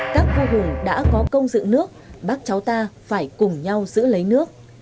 các vua hùng đã có công dựng nước bác cháu ta phải cùng nhau giữ lấy nước